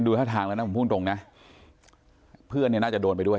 ท่าทางแล้วนะผมพูดตรงนะเพื่อนเนี่ยน่าจะโดนไปด้วย